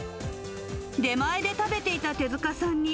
出前で食べていた手塚さんに、